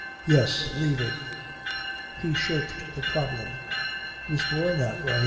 "Yes. Leaving ... He shirked the problem. He was born that way.